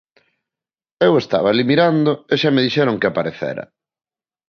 Eu estaba alí mirando e xa me dixeron que aparecera.